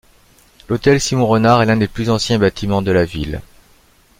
L'Hôtel Simon Renard est l'un des plus anciens bâtiments de la ville.